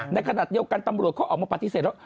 ในขณะเดียวกันตำรวจเขาออกมาปฏิเสธแล้ว